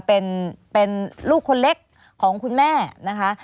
เป็นลูกคนเล็กของคุณแม่นะคะ